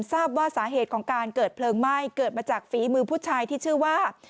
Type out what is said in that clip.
ทราบว่าสาเหตุของการเกิดเพลิงไหม้เกิดมาจากฝีมือผู้ชายที่ชื่อว่า